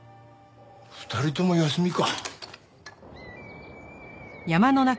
２人とも休みか。